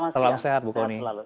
selamat siang sehat selalu